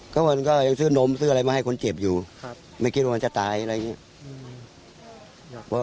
ก็มันก็ยังซื้อนมซื้ออะไรมาให้คนเจ็บอยู่ไม่คิดว่ามันจะตายอะไรอย่างนี้